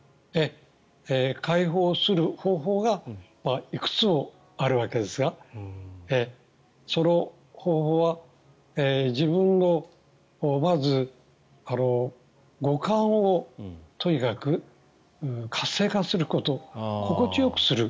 解放する方法がいくつもあるわけですがその方法は自分のまず五感をとにかく活性化すること心地よくする。